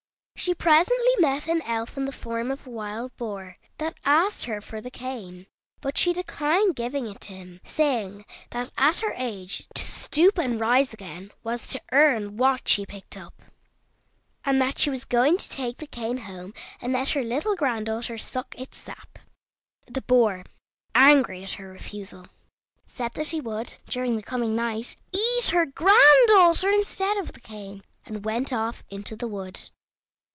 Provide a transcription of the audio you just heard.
She presently met an elf in the form of a wild Boar, that asked her for the cane, but she declined giving it to him, saying that, at her age, to stoop and to rise again was to earn what she picked up, and that she was going to take the cane home, and let her little granddaughter suck its sap. The Boar, angry at her refusal, said that he would, during the coming night, eat her granddaughter instead of the cane, and went off into the wood.